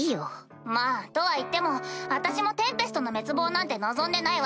まぁとは言っても私もテンペストの滅亡なんて望んでないわけ。